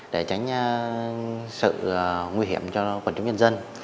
để tránh sự nguy hiểm cho quần chúng nhân dân